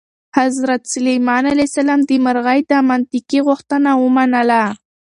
حضرت سلیمان علیه السلام د مرغۍ دا منطقي غوښتنه ومنله.